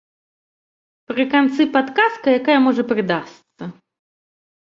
Пры канцы падказка, якая можа прыдасца.